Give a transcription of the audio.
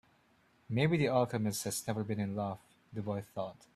Maybe the alchemist has never been in love, the boy thought.